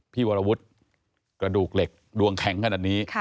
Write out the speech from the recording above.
วรวุฒิกระดูกเหล็กดวงแข็งขนาดนี้